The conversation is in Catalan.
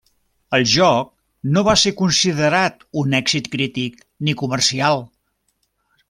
El joc no va ser considerat un èxit crític ni comercial.